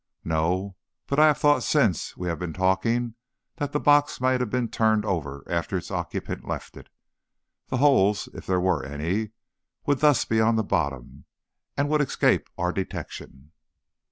"No; but I have thought since we have been talking, that the box might have been turned over after its occupant left it. The holes, if there were any, would thus be on the bottom, and would escape our detection."